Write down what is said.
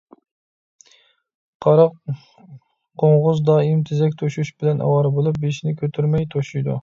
قارا قوڭغۇز دائىم تېزەك توشۇش بىلەن ئاۋارە بولۇپ، بېشىنى كۆتۈرمەي توشۇيدۇ.